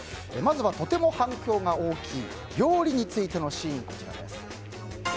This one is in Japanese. まずはとても反響が大きい料理についてのシーンです。